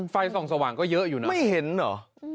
ไฟส่องสว่างก็เยอะอยู่นะไม่เห็นเหรอ